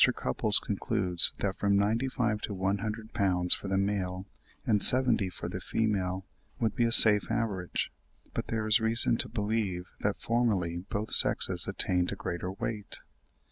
Cupples concludes that from 95 to 100 pounds for the male, and 70 for the female, would be a safe average; but there is reason to believe that formerly both sexes attained a greater weight.